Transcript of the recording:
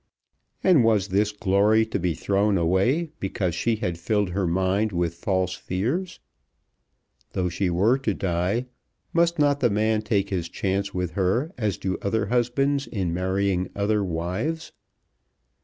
And was this glory to be thrown away because she had filled her mind with false fears? Though she were to die, must not the man take his chance with her, as do other husbands in marrying other wives?